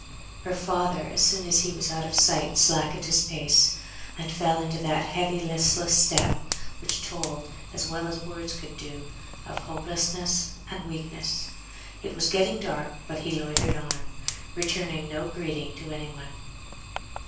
Her father, as soon as he was out of sight, slackened his pace, and fell into that heavy listless step, which told as well as words could do, of hopelessness and weakness. It was getting dark, but he loitered on, returning no greeting to any one.